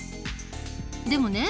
でもね